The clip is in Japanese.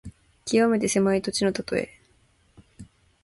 きわめて狭い土地のたとえ。